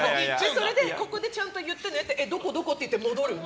それで、ここでちゃんと言ってねって言うとどこどこ？って言って戻る。